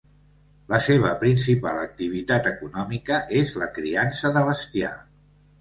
La seva principal activitat econòmica és la criança de bestiar.